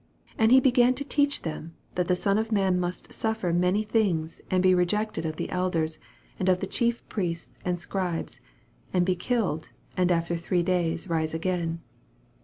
SI And he began to teach them, that the Son of man must suffer many things, and be rejected of the elders, and o/the Chief Priests, and Scribes, and be killed, and after three days rise again.